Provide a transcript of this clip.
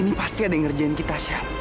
ini pasti ada yang ngerjain kita chef